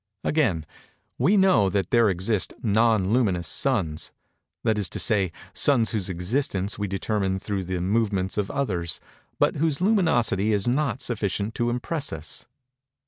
Again:—we know that there exist non luminous suns—that is to say, suns whose existence we determine through the movements of others, but whose luminosity is not sufficient to impress us.